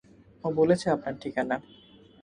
ও বলেছে আপনার ঠিকানা!